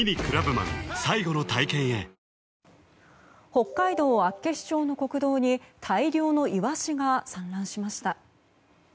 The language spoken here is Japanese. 北海道厚岸町の国道に大量のイワシが散乱しました。